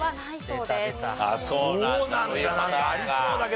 そうなんだ。